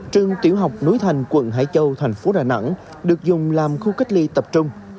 trường tiểu học núi thành quận hải châu thành phố đà nẵng được dùng làm khu cách ly tập trung